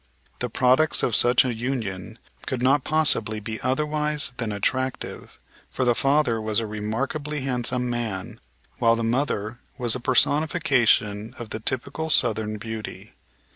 The products of such a union could not possibly be otherwise than attractive, for the father was a remarkably handsome man, while the mother was a personification of the typical southern beauty.